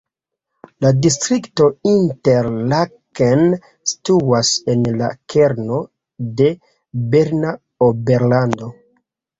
La distrikto Interlaken situas en la kerno de Berna Oberlando.